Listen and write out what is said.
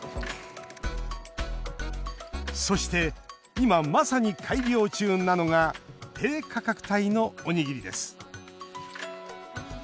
そして、今まさに改良中なのが低価格帯のおにぎりです。